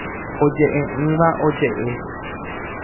Ojeʼeʼỹva ojeʼe.